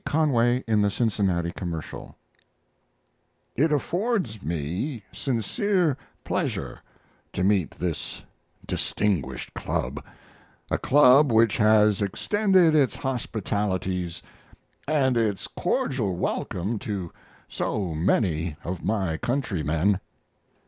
Conway in the Cincinnati Commercial It affords me sincere pleasure to meet this distinguished club, a club which has extended its hospitalities and its cordial welcome to so many of my countrymen.